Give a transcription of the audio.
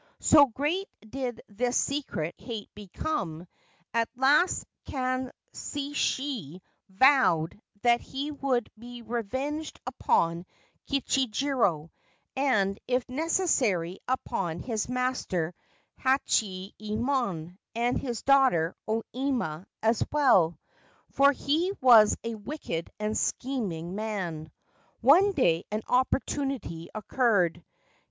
So great did this secret hate become, at last Kanshichi vowed that he would be revenged upon Kichijiro, and if necessary upon his master Hachiyemon and his daughter O Ima as well ; for he was a wicked and scheming man. One day an opportunity occurred.